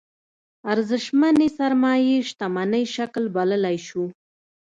ارزشمنې سرمايې شتمنۍ شکل بللی شو.